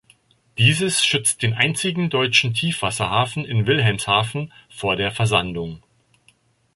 Dieses schützt den einzigen deutschen Tiefwasserhafen in Wilhelmshaven vor der Versandung.